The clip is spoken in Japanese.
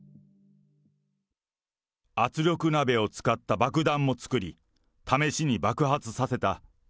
圧力鍋を使った爆弾も作り、試しに爆発させた。